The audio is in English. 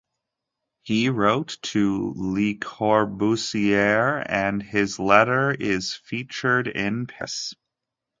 He wrote to LeCorbusier and his letter is featured in Paris.